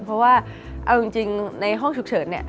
เพราะว่าเอาจริงในห้องฉุกเฉินเนี่ย